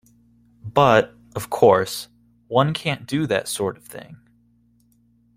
But, of course, one can't do that sort of thing.